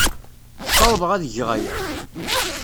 Ssawḍeɣ ad geɣ aya.